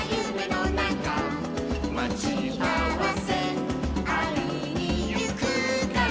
「まちあわせあいにゆくから」